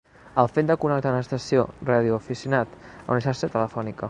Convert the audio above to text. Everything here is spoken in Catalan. El fet de connectar una estació de radioaficionat a una xarxa telefònica.